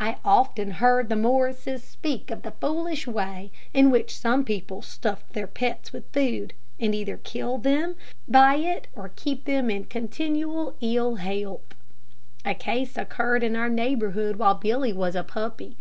I often heard the Morrises speak of the foolish way in which some people stuffed their pets with food, and either kill them by it or keep them in continual ill health. A case occurred in our neighborhood while Billy was a puppy.